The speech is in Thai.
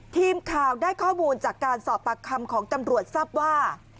ทีมข่าวได้ข้อมูลจากการสอบปากคำของตำรวจทราบว่า